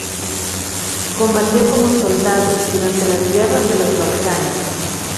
Combatió como soldado durante las Guerras de los Balcanes.